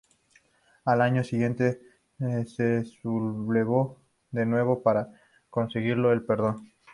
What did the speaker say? Al año siguiente se sublevó de nuevo, pero consiguió el perdón.